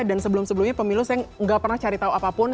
dan sebelum sebelumnya pemilu saya gak pernah cari tahu apapun